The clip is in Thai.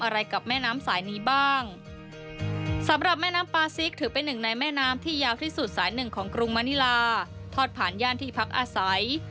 และทุกอย่างจะกลับมาที่เราต้องทำ